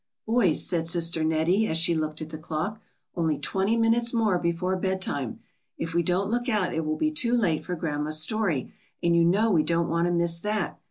^^Boys," said sister Nettie, as she looked at the clock, '^only twenty minutes more before bedtime; if we don't look out it will be too late for grandma's story, and you know we don't want to miss that."